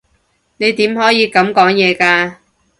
你點可以噉講嘢㗎？